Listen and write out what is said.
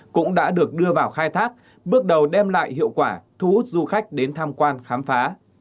cũng đã được đưa vào khai thác bước đầu đem lại hiệu quả thu hút du khách đến tham quan khám phá